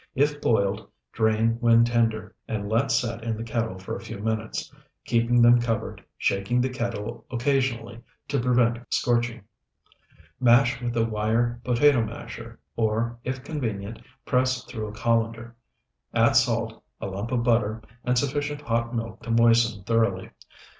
If boiled, drain when tender, and let set in the kettle for a few minutes, keeping them covered, shaking the kettle occasionally to prevent scorching. Mash with a wire potato masher, or, if convenient, press through a colander; add salt, a lump of butter, and sufficient hot milk to moisten thoroughly.